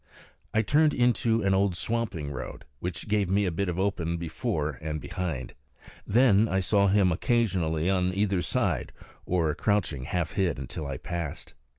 I turned into an old swamping road, which gave me a bit of open before and behind. Then I saw him occasionally on either side, or crouching half hid until I passed.